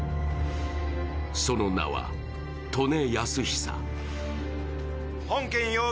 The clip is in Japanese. その名は、利根泰久。